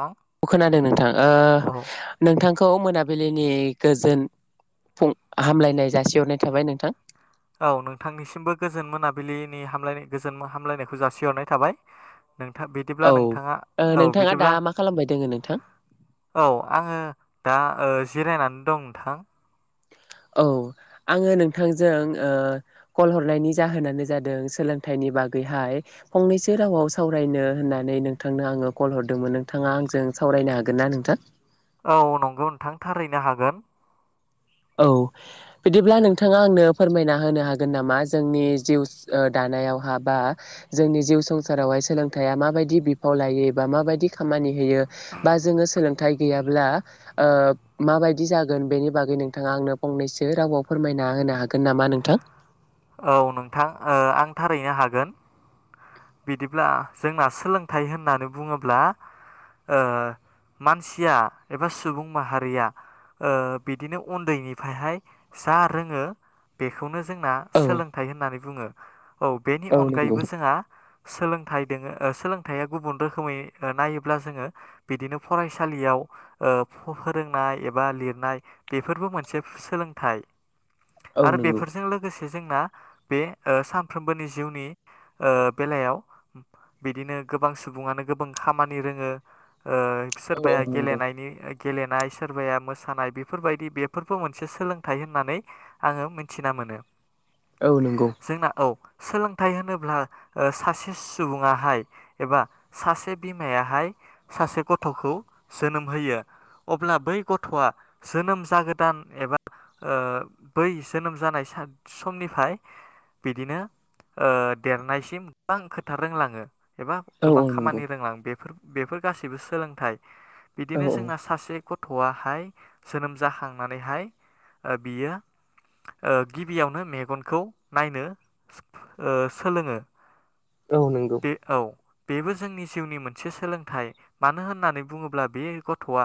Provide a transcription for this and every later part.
थां औ खोनादों नोंथां ओ औ नोंथांखौ खौ मोनाबिलिनि गोजोन फुं हामलायनाय जासिहरनाय थाबाय नोंथां। औ नोंथांनिसिमबो गोजोन मोनाबिलिनि हामलाय गोजोन हामलायनायखौ जासिहरनाय थाबाय। नोंथा बिदिब्ला औ नोंथाङा ओ औ नोंथाङा दा बिदिब्ला मा खालामबाय दोङो नोंथां औ आङो दा ओ जिरायनानै दं नोंथां। औ आङो नोंथांजों औ कल हरनायनि जाहोनानो जादों सोलोंथाइनि बागै बागैहाय फंनैसो रावाव सावरायनो होननानै नोंथांनो आङो कल हरदोंमोन नोंथाङा आंजों सावरायनो हागोन ना नोंथां? औ नंगौ नोंथां थारैनो हागोन। औ बिदिब्ला नोंथाङा आंनो फोरमायना होनो हागोन नामा जोंनि जिउ ओ दानि नायाव हा बा जोंनि जिउ संसारावहाय सोलोंथाइया माबायदि बिफाव लायो बा माबायदि खामानि होयो बा जो सोलोंथाय गैयाब्ला ओ मा बायदि जागोन बेनि बागै। नोंथाङा आंनो फंनैसो रावआव फोरमायना होनो हागोन नामा नोंथां। औ नोंथां आं थारैनो हागोन। बिदिब्ला जोंना सोलोंथाइ होननानै बुङोब्ला ओ मानसिया एबा सुबुं माहारिया ओ बिदिनो उन्दैनिफ्रायहाय जा रोङो बेखौनो जों जोंना औ सोलोंथाइ होननानै बुङो। औ बेनि अनगायैबो जोंहा सोलोंथाइ दोङो सोलोंथाइया गुबुन रोखोमै नायोब्ला जोङो बिदिनो फरायसालियाव फोरोंनाय एबा लिरनाय बेफोरबो मोनसे सोलोंथाइ। औ आरो नंगौ बेफोरजों लोगोसे जोंना बे साफ्रोमबोनि जिउनि ओ बेलायाव बिदिनो गोबां सुबुङानो गोबां खामानि रोङो औ औ सोरबाया नंगौ गेलेनायनि गेलेनाय सोरबाया मोसानाय बेफोरबायदि बेफोरबो मोनसे सोलोंथाइ होननानै आङो मिथिना मो नो। औ नंगौ जोंना औ सोलोंथाइ होनोब्ला सासे सुबुङाहाय एबा सासे बिमायाहाय सासे गथ'खौ जोनोम होयो अब्ला बै गथ'आ जोनोम जागोदान एबा बै जोनोम जानाय समनिफ्राय बिदिनो देरनायसिम गोबां खोथा रोंलाङो एबा औ औ गोबां नंगौ खामानि रोंलाङो बेफोर बेफोर गासैबो सोलोंथाइ। औ बिदिनो जोंना सासे गथ'आहाय जोनोम जाखांनानैहाय बियो गिबियावनो मेगनखौ नायनो सोलोङो औ नंगौ। बे औ बेबो जोंनि जिउनि मोनसे सोलोंथाइ मानो होननानै बुङोब्ला बे गथ'आ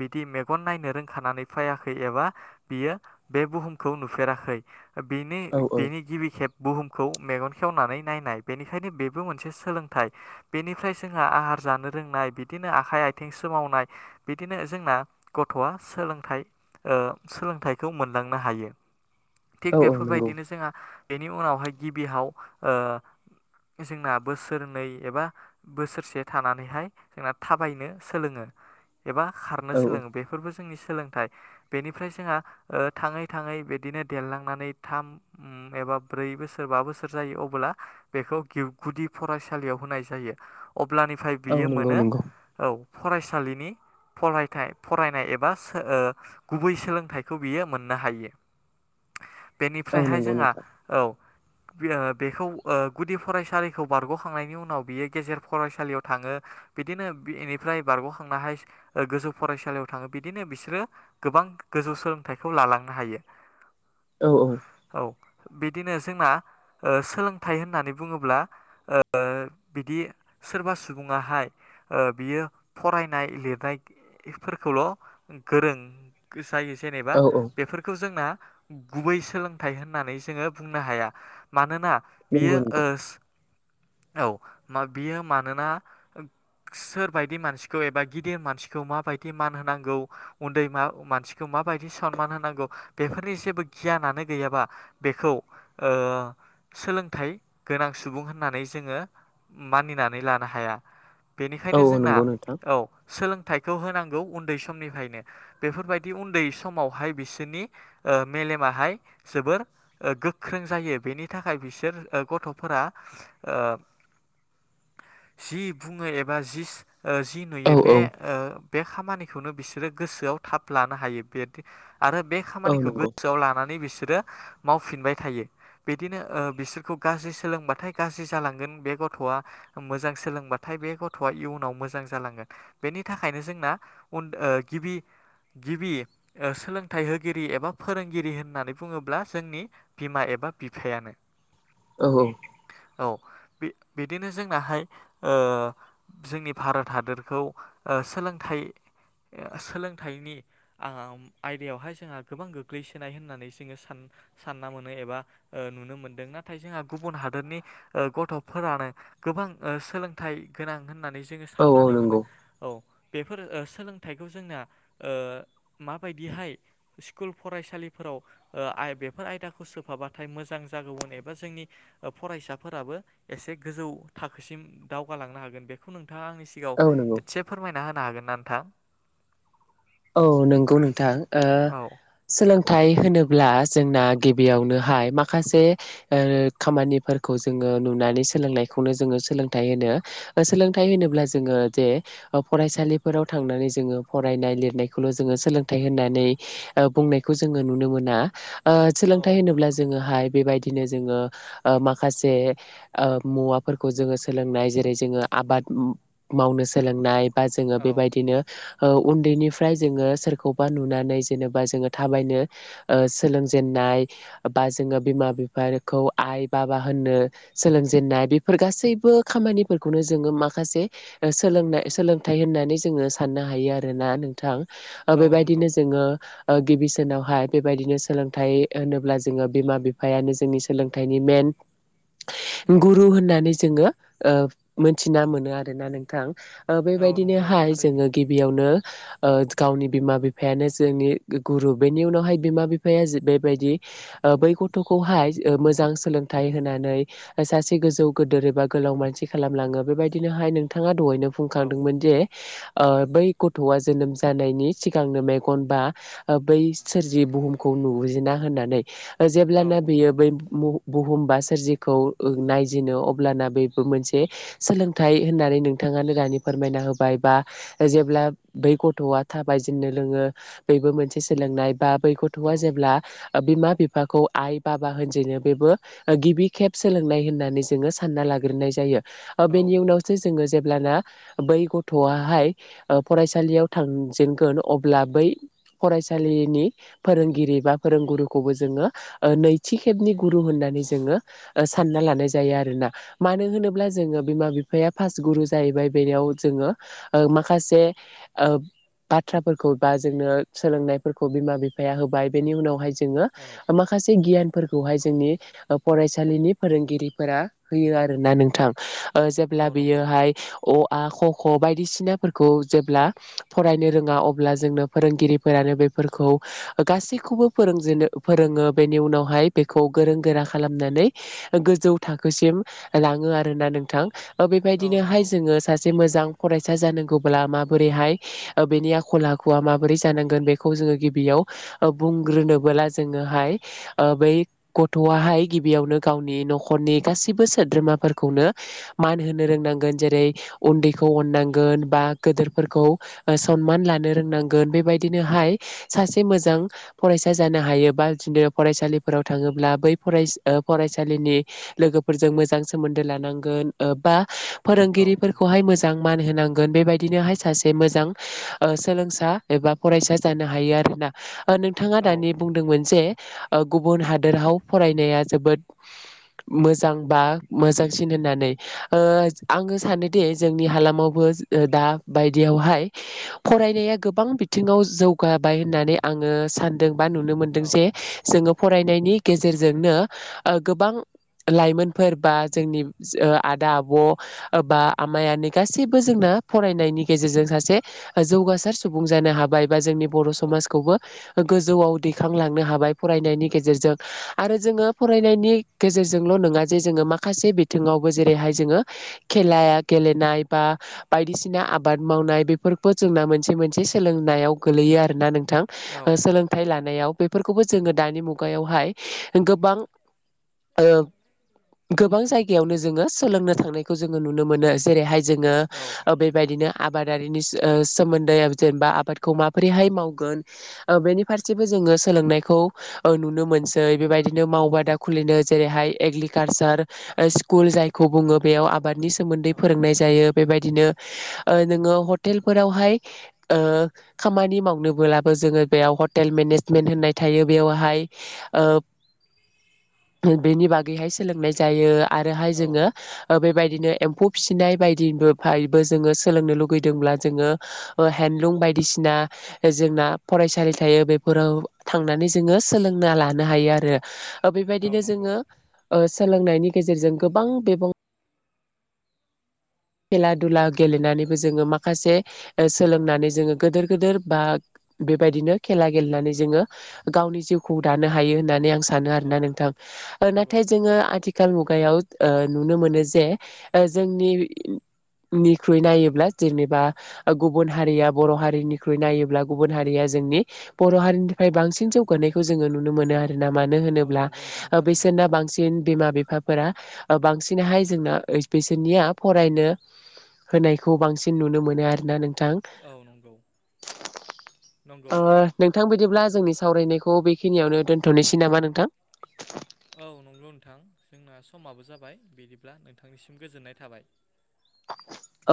बिदि मेगन नायनो रोंखानानै फैाखै एबा बियो बे बुहुमखौ नुफेराखै। औ बेनि-बेनि गिबि खेब बुहुमखौ मेगन खेवनानै नायनाय बेनिखायनो बेबो मोनसे सोलोंथाइ बेनिफ्राय जोंहा आहार जानो रोंनाय बिदिनो आखाय आथिं सोमावनाय बिदिनो जोंना गथ'आ सोलोंथाइ ओ सोलोंथाइखौ मोनलांनो हायो। थिग औ औ नंगौ बेफोरबायदिनो जोंहा बेनि उनावहाय गिबिहाव ओ जोंना बोसोरनै एबा बोसोरसे थानानैहाय जोंना थाबायनो सोलोङो। एबा खारनो औ सोलोङो बेफोरबो जोंनि सोलोंथाइ बेनिफ्राय जोंहा ओ थाङै थाङै बेदिनो देरलांनानै थाम उम ए बा ब्रै बोसोर बा बोसोर जायो अब्ला बेखौ गिव गुदि फरायसालियाव होनाय जायो। अब्लानिफाय औ बियो नंगौ मोनो नंगौ औ फरायसालिनि फरायथाइ फरायनाय एबा सो ओ गुबै सोलोंथाइखौ बियो मोननो हायो। औ बेनिफ्रायहाय नंगौ जोंहा नोंथां औ [unintelligible] बेखौ ओ गुदि फरायसालिखौ बारग'खांनायनि उनाव बियो गेजेर फरायसालियाव थाङो बिदिनो बेनि फ्राय बारग'खांनाहाय ओ गोजौ फरायसालियाव थाङो बिदिनो बिसोरो गोबां गोजौ सोलोंथाइखौ ला थालांनो हायो औ औ औ बिदिनो जोंना ओ‌ सोलों थाय होननानै बुङोब्ला ओ बिदि सोरबा सुबुङाहाय ओ बियो फरायनाय लिरनाय फोरखौल' गोरों जायो जेनेबा औ औ बेफोरखौ जोंना गुबै सोलोंथाइ होननानै जोङो बुंनो हाया मानोना नंगौ बियो नंगौ ओस औ मा बियो मानोना सोरबायदि मानसिखौ एबा गिदिर मानसिखौ माबायदि मान होनांगौ उन्दै मा-मानसिखौ मा माबायदि सनमान होनांगौ बेफोरनि जेबो गियानानो गैयाबा बेखौ ओ सोलोंथाइ गोनां सुबुं होननानै जोङो मानिनानै लानो हाया। औ बेनिखायनो औ जोंना नंगौ नोंथां औ सोलों थाइखौ होनांगौ उन्दै समनिफायनो बेफोरबायदि उन्दै समावहाय बिसोरनि ओ मे मेलेमाहाय जोबोर ओ गोख्रों जायो बेनि थाखाय बिसोर ओ गथ'फोरा ओ जि बुङो एबा जिस ओ जि औ नुयो औ बे ओ बे खामानिखौनो बिसोरो गोसोआव थाब लानो हायो बे आरो बे औ खामानिखौ नंगौ गोसोआव लानानै बिसो रो मावफिनबाय थायो बिदिनो ओ बिसोरखौ गाज्रि सोलोंबाथाय गाज्रि जालांगोन बे गथ'आ मोजां सोलोंबाथाय बे गथ'आ इयुनाव मोजां जालांगोन बेनि थाखायनो जोंना उन्द ओ गिबि गिबि ओ सोलोंथाइ होगिरि एबा फोरोंगिरि होननानै बुङोब्ला जोंनि बिमा ए बा बिफायानो। औ औ औ बि-बिदिनो जोंनाहाय ओ जोंनि भारत हादरखौ ओ सोलोंथाइ सोलोंथाइनि आंओम आयदायावहाय जोंहा गोबां गोग्लैसोनाय होननानै जोङो सान सानना मोनो एबा ओ नुनो मोनदों नाथाय जोंहा गुबुन हादोरनि गथ'फोरानो गोबां ओ सोलोंथाइ गोनां होन नानै जोङो औ औ साननानै मोनो नंगौ औ बेफोर ओ सोलोंथाइखौ जोंना ओ माबायदिहाय स्कुल फरायसालिफोराव ओ आय बेफोर आयदाखौ सोफाबाथाय मोजां जागौमोन एबा जोंनि ओ फरायसाफोराबो एसे गोजौ थाखोसिम दावगालांनो हागोन बेखौ नों थाङा आंनि औ नंगौ सिगाङाव एसे फोरमायना होनो हागोन ना नोंथां? औ नंगौ नोंथां ओ औ सोलों थाय होनोब्ला जोंना गिबियावनोहाय माखासे ओ खामानिफोरखौ जोङो ओ नुनानै सोलोंनायखौनो जोङो सोलोंथाइ होनो ओ सोलोंथाइ होनोब्ला जोङो जे ओ फराय सालिफोराव थांनानै जोङो फरायनाय लिर नायखौल' जोङो सोलोंथाइ होननानै ओ बुंनायखौ जोङो नुनो मोना ओ सोलोंथाइ औ होनोब्ला जोङोहाय बेबायदिनो जोङो ओ माखासे ओ मुवाफोरखौ जोङो सोलोंनाय जेरै जोङो आबाद मावनो सोलोंनाय बा जोङो औ बेबायदिनो उन्दैनि फ्राय जोङो सोरखौबा नुनानै जेनबा जोङो थाबायनो ओ सोलोंजेन्नाय बा जोङो बिमा बिफाखौ आइ बाबा होन्नो सोलोंजेननाय बेफोर गासैबो खामानि फोरखौनो जोङो माखासे सोलोंनाय सोलोंथाइ होननानै जोङो साननो हायो आरोना नों थां ओ औ नंगौ बेबायदिनो जोङो ओ गिबि सिनावहाय बेबायदिनो सोलोंथाइ होनोब्ला जोङो बिमा बिफायानो जोंनि सोलोंथाइनि मेन औ गुरु होननानै जोङो ओ मोनथिना मोनो आरोना नोंथां। ओ औ नंगौ बेबायदिनोहाय थारैनो जोङो गिबियावनो ओ गावनि बिमा बिफायानो जोंनि गुरु बेनि उनावहाय बिमा बिफाया जे बेबायदि ओ बै गथ'खौहाय मोजां सोलोंथाइ होनानै सासे गोजौ गेदेर एबा गोलाव मानसि खालामलाङो बेबायदिनोहाय नोंथाङा दहायनो औ बुंखांदोंमोन जे ओ बै गथ'वा जोनोम जानायनि सिगांनो मेगनबा बै सोरजि बुहुमखौ नुजिना होननानै औ जेब्लाना बियो बै मुं बुहुमबा बा सोरजिखौ नायजिनो अब्लाना बेबो मोनसे सोलोंथाइ होननानै नोंथां ङानो दानि फोरमायना होबाय बा जेब्ला बै गथ'आ थाबायजेननो रोङो बेबो मोनसे सोलोंनाय बा बै औ गथ'आ जेब्ला ओ बिमा बिफाखौ आइ बाबा होनजेनो बेबो गिबि खेब सोलोंनाय होननानै जोङो सानना ला ग्रोनाय जायो ओ औ बिनि उनावसो जोङो जेब्लाना बै गथ'वाहाय फरायसालियाव थांजेनगोन अब्ला बै फरायसालिनि फोरोंगिरि बा फोरोंगुरुखौबो जोङो ओ नैथि खेबनि गुरु होननानै नानै जोङो ओ सानना लानाय जायो आरोना मानो होनोब्ला जोङो बिमा बिफाया फास गुरु जायो बेबाय बेनियाव जोङो ओ माखासे ओ बाथ्राफोरखौ बा जोंनो सोलोंनायफोरखौ बिमा बिफाया होबाय बेनि उनावहाय जोङो औ माखासे गियानफोरखौहाय जोंनि ओ फरायसालिनि फोरोंगिरिफोरा होयो आरोना नोंथां ओ जेब्ला औ नंगौ बियोहाय अ आ खख' बायदिसिनाफोरखौ जेब्ला फरायनो रोंङा अब्ला जोंनो फोरोंगिरिफोरानो बेफोरखौ गासैखौबो फोरों रोंजेनो फोरोङो बेनि उनावहाय बेखौ गोरों गोरा खालामनानै गोजौ थाखोसिम लाङो आरोना नोंथां औ बेबायदिनोहाय नंगौ जोंङो सासे मोजां फरायसा जानांगौब्ला माब बोरैहाय ओ बेनि आखल आखुआ माबोरै जानांगोन बे जोंङो गिबियाव ओ बुंग्रोनो ब्ला जोंङोहाय ओ बै गथ'आहाय गिबियावनो गावनि न'खरनि गासिबो सो द्रोमाफोरखौनो मान होनो रोंनांगोन जेरै उन्दैखौ अननांगोन बा गोदोर फोरखौ ओ समान लानो रोंनांगोन बेबायदिनोहाय सासे मोजां फरायसा जानो हायोबा थिनो फरायसालिफोराव थांङोब्ला बै फराय ओ फरायसालिनि लोगोफोरजों मोजां जां सोमोन्दो लानांगोन ओ बा औ नंगौ फोरोंगिरिफोरखौहाय मोजां मान होनांगोन बेबायदिनोहाय सासे मोजां ओ सोलोंसा एबा फरायसा जानो हायो आरो ना ओ नोंथाङा औ दानि बुंदोंमोन जे ओ गुबुन हादोराव फरायनाया जोबोद मोजां बा मोजांसिन होननानै ओ आंङो सानोदि जोंनि हालामावबो दा बायदियावहाय फरायनाया गोबां बिथिंङाव जौगाबाय होननानै आङो सानदों बा नुनो औ मोनदों जे जोङो फरायनायनि गेजेरजोंनो ओ गोबां लाइमोनफोर बा जोंनि आदा आब' बा आमायनि आनै गासैबो जोंना आ फरायनायनि गेजेरजों सासे जौगासार सुबुं जानो हाबाय बा जोंनि बर' औ समाजखौबो गोजौआव दैखांलांनो हाबाय फरायनायनि गेजेरजों आरो जोंङो फरायनायनि गेजेरजोंल' ल' नंङा जे जोंङो माखासे बिथिंङावबो जेरैहाय जोंङो खेला गेलेनाय बा बायदिसिना आब बाद मावनाय बेफोरबो जोंना मोनसे मोनसे सोलोंनायाव गोलैयो आरोना नों थां औ सोलोंथाइ लानायाव बै फोरखौबो जोंङो दानि मुगायावहाय गोबां ओ गो गोबां जायगायावनो जोंङो सोलोंनो थांनायखौ जोंङो नुनो मोनो जेरैहाय जोंङो औ बेबायदिनो आबादारिनि सो ओ सोमोन्दै जेनेबा आबादखौ माबोरैहाय मावगोन बेनि फारसेबो जों ङो सोलोंनायखौ नुनो मोनसै बेबायदिनो मावबादा खुलिनो जेरैहाय एग्रिकालसार स्कुल जायखौ बुङो बेयाव आबादनि सोमोन्दै फोरोंनाय जायो बेबायदिनो ओ नोंङो हटेलफोरावहाय ओ खामानि मावनोबोलाबो जोंङो बेयाव हटेल मे नेजमेन्ट होननाय थायो बेयावहाय ओ [inaudible] उम बेनि बागैहाय सोलोंनाय जायो। आरोहाय जोंङो ओ बेबायदिनो एम्फौ फिनाय बायदिबोफायबो जोंङो सोलोंनो लुगैदोंब्ला जोंङो हेन्दलुम बायदिसिना जोंना फरायसालि थायो बे फोराव थांनानै जोंङो सोलोंना लानो हायो आरो। ओ औ नंगौ औ बेबायदिनो नंगौ जोंङो ओ सोलोंनायनि गेजेरजों गोबां बिबुं खेला दुला गेलेनानैबो जोंङो माखासे सोलोंनानै जोङो गिदोर गिदोर बा बेबायदिनो खेला गेलेनानै जोंङो गावनि जिउखौ दानो हायो होननानै आं सा सानो आरोना नोंथां नाथाय जोंङो आथिखाल मुगा गायाव ओ नुनो मोनो जे जोंनि निख्रुइ नायोब्ला जेनेबा गुबुन हारिया बर' हारिनिख्रुइ नायोब्ला गुबुन हारि रिया जोंनि बर' हारिनिफ्राय बांसिन जौगानायखौ जोङो नुनो मोनो आरो ना मानो औ होनोब्ला नंगौ नोंथां थारैनो बिसोरना बांसिन बिमा बि फाफोरा बांसिनहाय जोंना बिसोरनिया फरायनो होनायखौ बांसिन नुनो मोनो आरोना नों थां औ नंगौ नंगौ ओ नोंथां बिदिब्ला जोंनि सावरायनायखौ बेखिनियावनो दोन्थ'नोसै नामा नोंथां? औ नंगौ नोंथां जोंना समाबो जाबाय बिदिब्ला नोंथांनिसिम गोजोननाय थाबाय।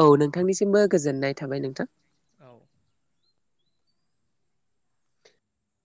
औ नोंथांनिसिमबो गोजोननाय थाबाय नोंथां। औ